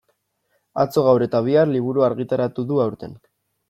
Atzo, gaur eta bihar liburua argitaratu du aurten.